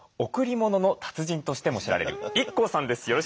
贈り物の達人としても知られるＩＫＫＯさんです。